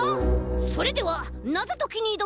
それではなぞときにいどむ